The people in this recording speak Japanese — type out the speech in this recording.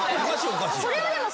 それはでも。